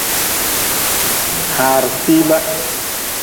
Haare tiibe.